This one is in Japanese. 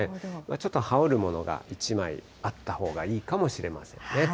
ちょっと羽織るものが一枚あったほうがいいかもしれませんね。